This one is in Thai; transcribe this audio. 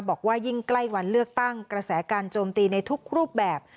บอกว่ายิ่งใกล้วันเลือกตั้งกระแสการโจมตีในทุกรูปแบบ